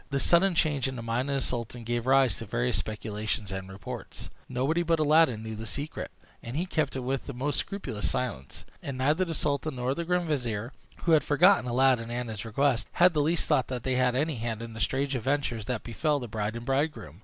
This sudden change in the mind of the sultan gave rise to various speculations and reports. Nobody but Aladdin knew the secret, and he kept it with the most scrupulous silence; and neither the sultan nor the grand vizier, who had forgotten Aladdin and his request, had the least thought that he had any hand in the strange adventures that befel the bride and bridegroom.